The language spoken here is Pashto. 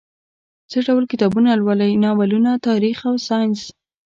څه ډول کتابونه لولئ؟ ناولونه، تاریخ او ساینس